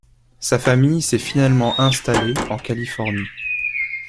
Sa famille s'est finalement installée en Californie.